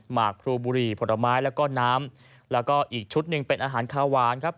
หกครูบุรีผลไม้แล้วก็น้ำแล้วก็อีกชุดหนึ่งเป็นอาหารคาหวานครับ